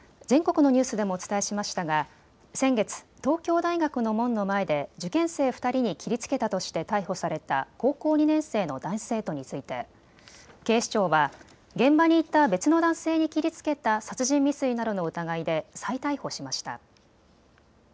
全国のニュースでもお伝えしましたが先月、東京大学の門の前で受験生２人に切りつけたとして逮捕された高校２年生の男子生徒について、警視庁は現場にいた別の男性に切りつけた殺人未遂などの疑いで、再逮捕しました。